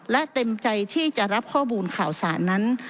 และเต็มใจที่จะรับข้อมูลข่าวสารนั้น